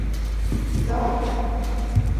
দাঁড়া, অর্জুন।